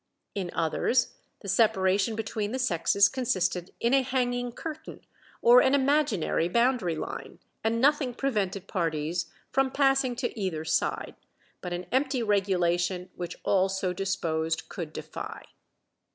In others the separation between the sexes consisted in a hanging curtain, or an imaginary boundary line, and nothing prevented parties from passing to either side but an empty regulation which all so disposed could defy.